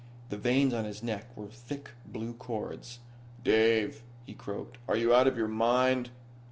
The veins on his neck were thick blue cords. "Dave," he croaked. "Are you out of your mind?